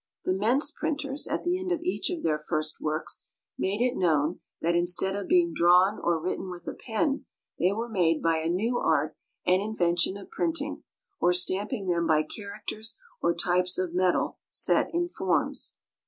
The Mentz printers, at the end of each of their first works, made it known that instead of being drawn or written with a pen, they were made by a new art and invention of printing or stamping them by characters or types of metal set in forms.